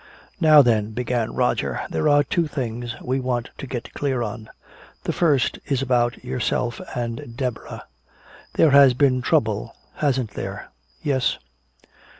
"Now then," began Roger, "there are two things we want to get clear on. The first is about yourself and Deborah. There has been trouble, hasn't there?" "Yes."